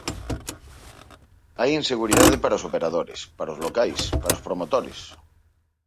Hai inseguridade para os operadores, para os locais, para os promotores.